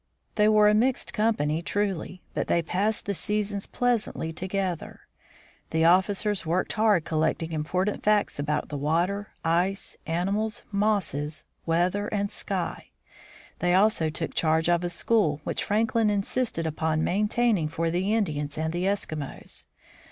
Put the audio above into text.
They were a mixed company, truly, but they passed the season pleasantly to gether. The officers worked hard collecting important facts about the water, ice, animals, mosses, weather, and sky. They also took charge of a school, which Franklin insisted upon maintaining for the Indians and the Eskimos.